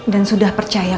dan sudah percaya